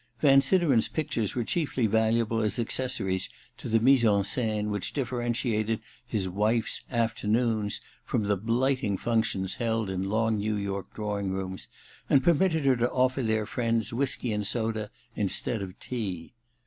Van Sideren's pictures were chiefly valuable as accessories to the mise en scene which differentiated his wife's * afternoons' from the blighting functions held in long New York drawing rooms, and permitted her to offer their friends whisky and soda instead of tea.